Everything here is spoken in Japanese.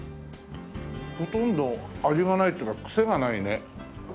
ほとんど味がないっていうかクセがないね。